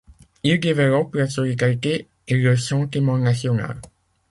Il développe la solidarité et le sentiment national.